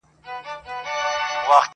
د غمازانو مخ به تور وو اوس به وي او کنه!